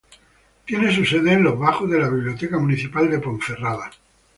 Tiene su sede en los bajos de la Biblioteca Municipal de Ponferrada.